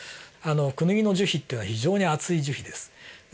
クヌギの樹皮っていうのは非常に厚い樹皮です。